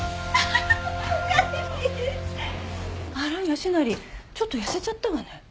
良成ちょっと痩せちゃったわね。